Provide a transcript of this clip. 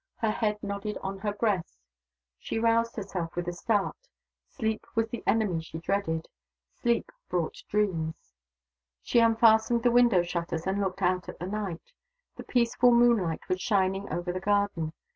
Her head nodded on her breast. She roused herself with a start. Sleep was the enemy she dreaded: sleep brought dreams. She unfastened the window shutters and looked out at the night. The peaceful moonlight was shining over the garden.